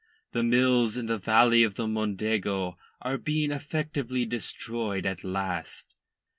The mills in the valley of the Mondego are being effectively destroyed at last."